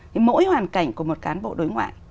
thì mỗi hoàn cảnh của một cán bộ đối ngoại